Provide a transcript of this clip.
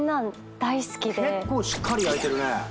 結構しっかり焼いてるね。